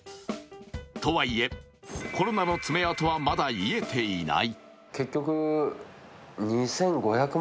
とはいえ、コロナの爪痕はまだ癒えていない。